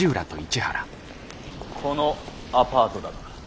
このアパートだな。